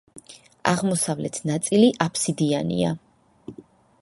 აღმოსავლეთ ნაწილი აფსიდიანია.